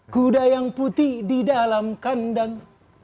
kuda yang putih di dalam kandang